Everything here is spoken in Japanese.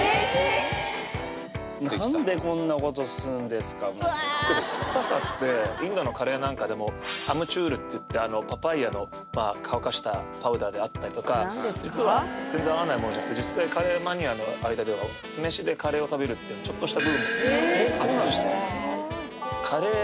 もしかしてこれは酸っぱさってインドのカレーなんかでもアムチュールっていってパパイアの乾かしたパウダーであったりとか実は全然合わないものじゃなくて実際カレーマニアの間では酢飯でカレーを食べるってちょっとしたブームえっそうなんですか？